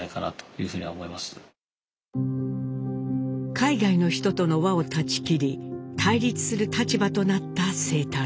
海外の人との輪を断ち切り対立する立場となった清太郎。